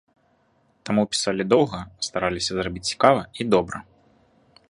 Таму пісалі доўга, стараліся зрабіць цікава і добра.